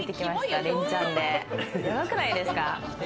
やばくないですか？